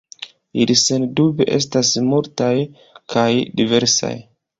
Ili sendube estas multaj kaj diversaj.